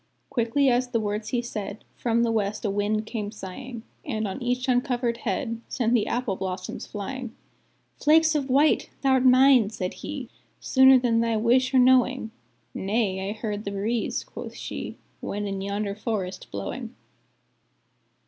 Quickly as the words he said, From the west a wind came sighing, And on each uncovered head Sent the apple blossoms flying; "'Flakes of white!' thou'rt mine," said he, "Sooner than thy wish or knowing!" "Nay, I heard the breeze," quoth she, "When in yonder forest blowing."